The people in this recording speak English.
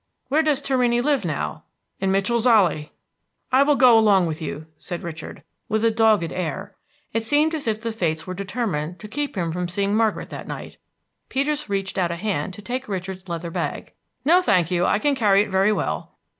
"Where does Torrini live, now?" "In Mitchell's Alley." "I will go along with you," said Richard, with a dogged air. It seemed as if the fates were determined to keep him from seeing Margaret that night. Peters reached out a hand to take Richard's leather bag. "No, thank you, I can carry it very well."